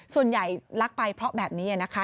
ส่วนใหญ่รักไปเพราะแบบนี้นะคะ